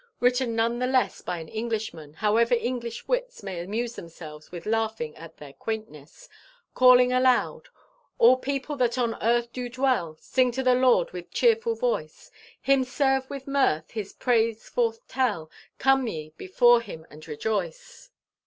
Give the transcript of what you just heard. written none the less by an Englishman, however English wits may amuse themselves with laughing at their quaintness calling aloud, "All people that on earth do dwell Sing to the Lord with cheerful voice; Him serve with mirth, his praise forth tell Come ye before him and rejoice."